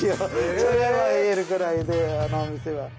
それは言えるぐらいあのお店は。